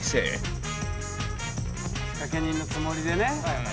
仕掛け人のつもりでね。